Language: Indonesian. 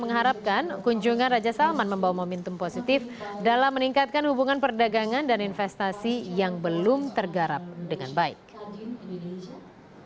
mengharapkan kunjungan raja salman membawa momentum positif dalam meningkatkan hubungan perdagangan dan investasi yang belum tergarap dengan baik